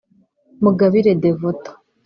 Mugabire Evode